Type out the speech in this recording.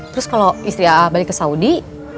terus kalau istri aa balik ke saudi